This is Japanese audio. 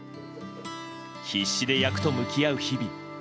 必死で役と向き合う日々。